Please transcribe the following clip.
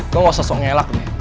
lo gak usah sok ngelak